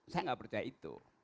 saya tidak percaya itu